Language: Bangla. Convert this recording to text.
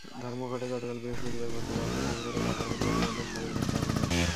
ধর্মঘটে গতকাল বৃহস্পতিবার ভোর থেকে অচল হয়ে পড়ে ঢাকার নদীবন্দর সদরঘাট টার্মিনাল।